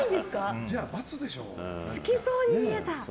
好きそうに見えた。